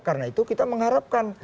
karena itu kita mengharapkan